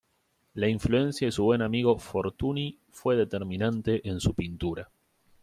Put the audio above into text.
La influencia de su buen amigo Fortuny fue determinante en su pintura.